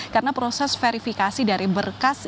karena proses verifikasi dari berkas